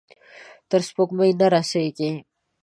تر سپوږمۍ نه رسیږې